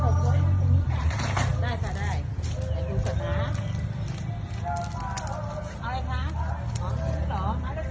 เอาอะไรคะเหรอเล่าปลา๑๐บาท